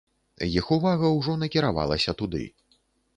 Іх увага ўжо накіравалася туды.